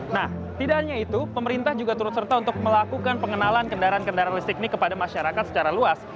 nah tidak hanya itu pemerintah juga turut serta untuk melakukan pengenalan kendaraan kendaraan listrik ini kepada masyarakat secara luas